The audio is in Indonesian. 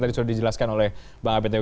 tadi sudah dijelaskan oleh bang abed